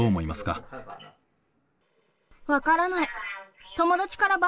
分からない。